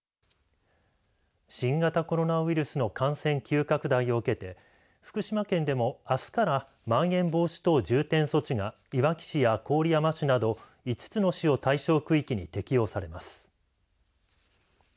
新型コロナウイルスの感染急拡大を受けて福島県でも、あすからまん延防止等重点措置がいわき市や郡山市など５つの市を対象区域に適用されます。